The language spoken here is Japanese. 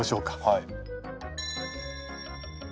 はい。